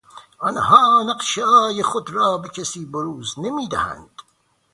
آنها نقشههای خود را به کسی بروز نمیدهند.